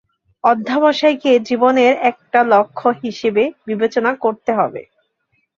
অধ্যবসায়কে জীবনের একটা লক্ষ্য হিসেবে বিবেচনা করতে হবে।